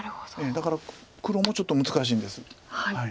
だから黒もちょっと難しいんです。